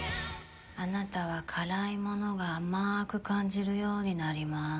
あなたは辛いものが甘く感じるようになります